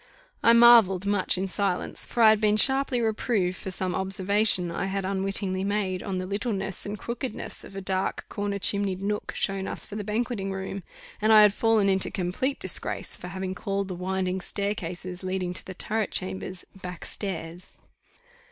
I marvelled much in silence for I had been sharply reproved for some observation I had unwittingly made on the littleness and crookedness of a dark, corner chimneyed nook shown us for the banqueting room; and I had fallen into complete disgrace for having called the winding staircases, leading to the turret chambers, _back stairs.